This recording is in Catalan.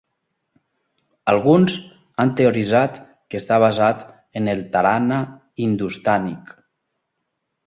Alguns han teoritzat que està basat en el "tarana" hindustànic.